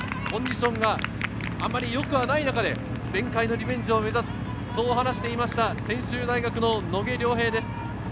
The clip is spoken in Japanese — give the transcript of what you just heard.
コンディションがあまりよくない中で前回のリベンジを目指すと話してた専修大学の野下稜平です。